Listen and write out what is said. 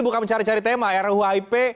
bukan mencari cari tema ruhip